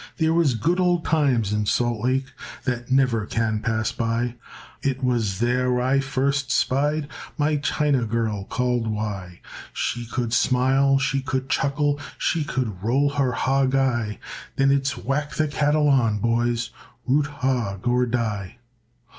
There was good old times in Salt Lake That never can pass by, It was there I first spied My China girl called Wi. She could smile, she could chuckle, She could roll her hog eye; Then it's whack the cattle on, boys, Root hog or die.